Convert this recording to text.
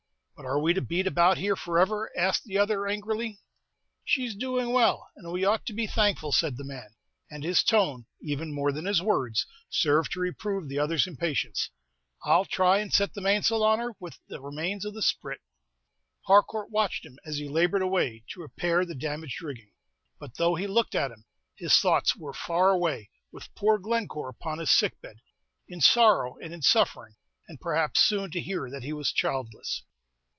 "But are we to beat about here forever?" asked the other, angrily. "She's doin' well, and we ought to be thankful," said the man; and his tone, even more than his words, served to reprove the other's impatience. "I'll try and set the mainsail on her with the remains of the sprit." Harcourt watched him, as he labored away to repair the damaged rigging; but though he looked at him, his thoughts were far away with poor Glencore upon his sick bed, in sorrow and in suffering, and perhaps soon to hear that he was childless.